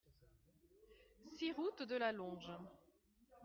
six route de la Longe